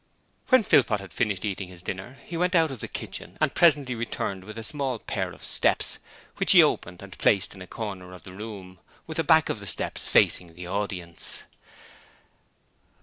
When Philpot had finished eating his dinner he went out of the kitchen and presently returned with a small pair of steps, which he opened and placed in a corner of the room, with the back of the steps facing the audience.